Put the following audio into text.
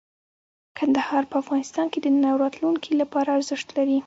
کندهار په افغانستان کې د نن او راتلونکي لپاره ارزښت لري.